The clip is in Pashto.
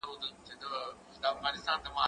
زه بايد قلمان کاروم